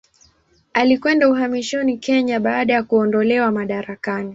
Alikwenda uhamishoni Kenya baada ya kuondolewa madarakani.